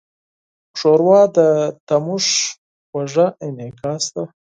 ښوروا د تودوخې خوږه انعکاس ده.